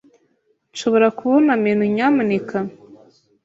Nshobora kubona menu, nyamuneka?